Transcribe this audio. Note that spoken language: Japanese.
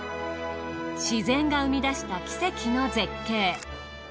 自然が生みだした奇跡の絶景。